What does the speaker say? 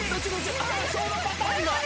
あっそのパターンだ！